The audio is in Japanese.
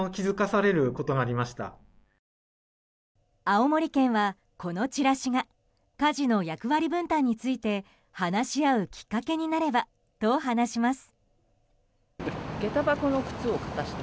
青森県は、このチラシが家事の役割分担について話し合うきっかけになればと話します。